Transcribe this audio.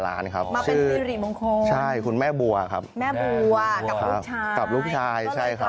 ข้างบัวแห่งสันยินดีต้อนรับทุกท่านนะครับ